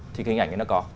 thì hình ảnh này nó có